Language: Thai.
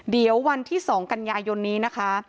เดี๋ยววันที่๒กันยายนนี้นะคะ